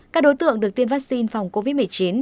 các đối tượng được tiêm vaccine phòng covid một mươi chín